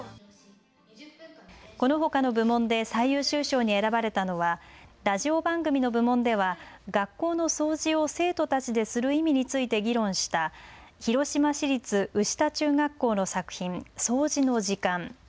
このほかの部門で最優秀賞に選ばれたのはラジオ番組の部門では学校の掃除を生徒たちでする意味について議論した広島市立牛田中学校の作品、掃除の時間。